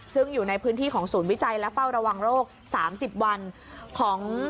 ซึ่งอยู่ในพื้นที่ของศูนย์วิจัยและเฝ้าระวังโรค๓๐วันของ